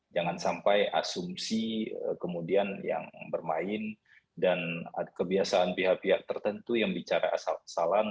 jangan sampai asumsi kemudian yang bermain dan kebiasaan pihak pihak tertentu yang bicara asal asalan